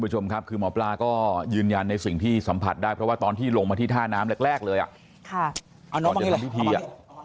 หมอปลาก็ยืนยันในสิ่งที่สัมผัสได้เพราะว่าตอนที่ลงมาที่ท่าน้ำแรกเลย